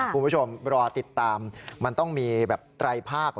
คุณผู้ชมรอติดตามมันต้องมีแบบไตรภาค